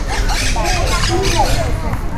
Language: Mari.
Эй, тудо!